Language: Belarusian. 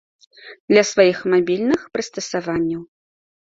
Для сваіх мабільных прыстасаванняў.